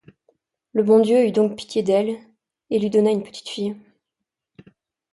Le bon Dieu eut donc pitié d’elle, et lui donna une petite fille.